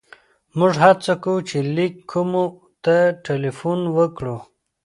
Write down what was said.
موږ هڅه کوو چې لېک کومو ته ټېلیفون وکړو.